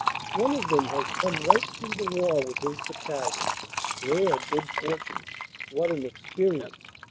One of them has come right through the war with his Battalion rare good fortune. What an experience!